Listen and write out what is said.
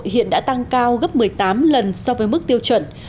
hiện đã tăng cao gấp một mươi tám lần so với mức tiêu chuẩn